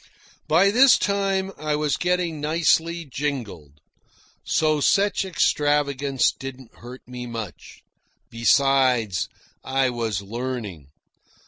By this time I was getting nicely jingled, so such extravagance didn't hurt me much. Besides, I was learning.